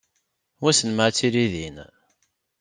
Wissen m ad tili din.